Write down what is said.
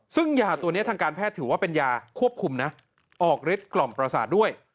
ซึ่งยาตัวนี้ทางการแพทย์ถือว่าเป็นยาควบคุมนะออกฤทธิกล่อมประสาทด้วย